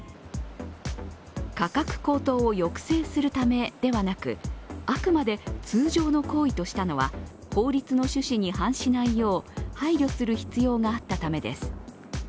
価格高騰を抑制するためではなく、あくまで通常の行為としたのは法律の趣旨に反しないよう配慮する必要があったためです。